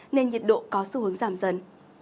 nên nhiệt độ có xu hướng giảm dần